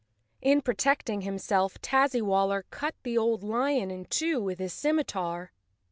In protecting himself Tazzywaller cut the old lion in two with his scimitar.